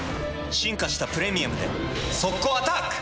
進化した「プレミアム」で速攻アタック！